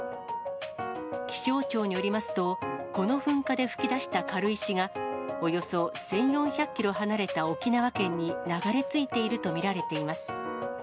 気象庁によりますと、この噴火で噴き出した軽石が、およそ１４００キロ離れた沖縄県に流れ着いていると見られています。